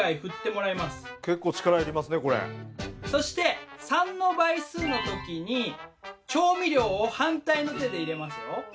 そして３の倍数の時に調味料を反対の手で入れますよ。